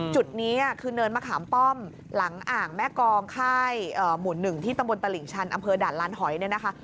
จุดนี้คือเนินมะขามป้อมหลังอ่างแม่กองค่ายหมู่๑ที่ตำบลตลิ่งชันอำเภอด่านลานหอยเนี่ยนะคะ